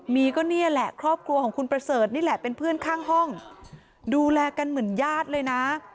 มีก็นี่แหละครอบครัวของคุณประเสริฐนี่แหละเป็นเพื่อนข้างห้องดูแลกันเหมือนญาติเลยนะ